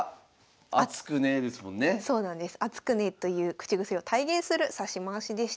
「厚くね」という口癖を体現する指し回しでした。